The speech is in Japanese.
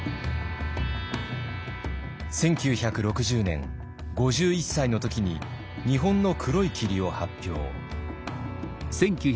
１９６０年５１歳の時に「日本の黒い霧」を発表。